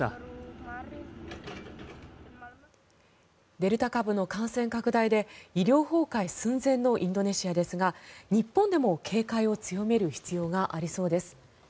デルタ株の感染拡大で医療崩壊寸前のインドネシアですが日本でも警戒を強める必要がありそうです。